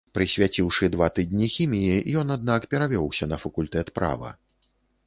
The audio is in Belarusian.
Прысвяціўшы два тыдні хіміі, ён аднак перавёўся на факультэт права.